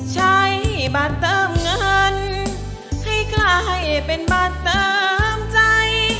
ใช้บ้านเติมเงินให้กลายเป็นบ้านเติมใจ